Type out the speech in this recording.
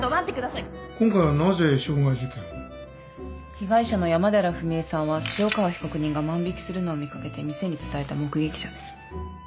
被害者の山寺史絵さんは潮川被告人が万引するのを見掛けて店に伝えた目撃者です。